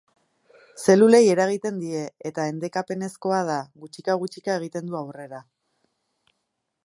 Zelulei eragiten die eta endekapeneezkoa da, gutxika gutxika egiten du aurrera.